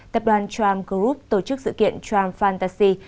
tập đoàn tram group tổ chức sự kiện tram fantasy